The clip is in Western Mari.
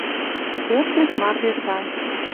Пӧртеш мардеж гань.